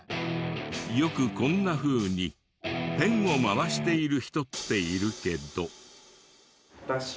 よくこんなふうにペンを回している人っているけど。